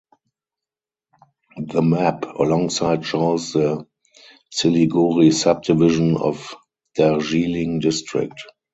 The map alongside shows the Siliguri subdivision of Darjeeling district.